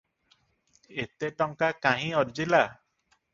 ଏତେ ଟଙ୍କା କାହିଁ ଅର୍ଜିଲା?